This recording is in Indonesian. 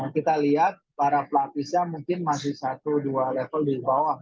kita lihat para pelatihnya mungkin masih satu dua level di bawah